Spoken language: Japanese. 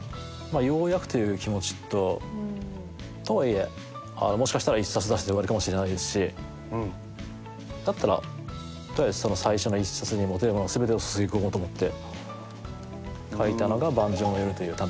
ようやくという気持ちととはいえもしかしたら１冊出して終わりかもしれないですしだったら取りあえずその最初の１冊に持てるもの全てを注ぎ込もうと思って書いたのが『盤上の夜』という短編集でした。